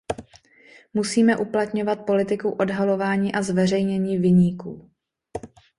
Musíme uplatňovat politiku odhalování a zveřejnění viníků.